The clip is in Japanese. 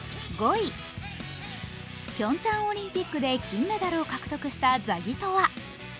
ピョンチャンオリンピックで金メダルを獲得したザギトワ。